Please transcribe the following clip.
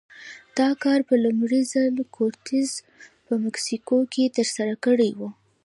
دا کار په لومړي ځل کورټز په مکسیکو کې ترسره کړی و.